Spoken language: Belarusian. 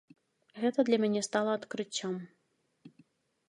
Гэта для мяне стала адкрыццём.